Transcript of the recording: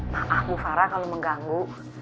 maaf bu farah kalau mengganggu